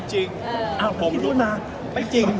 ให้บอกคำจริง